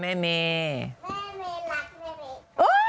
แม่เม่รักแม่เม่